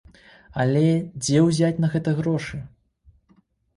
Але дзе ўзяць на гэта грошы?